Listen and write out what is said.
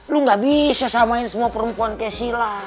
lo gak bisa samain semua perempuan kecil lah